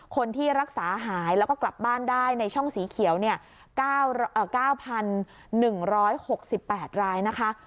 คนที่รักษาหายแล้วก็กลับบ้านได้ในช่องสีเขียว๙๑๖๘รายนะคะ